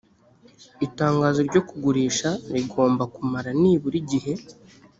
itangazo ryo kugurisha rigomba kumara nibura igihe